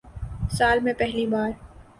سال میں پہلی بار